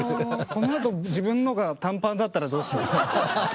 このあと自分のが短パンだったらどうしよう。